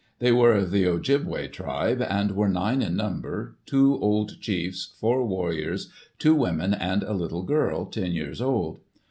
They were of the Ojibbeway tribe, and were nine in number, two old chiefs, four warriors, two women, and a little girl, 10 years old.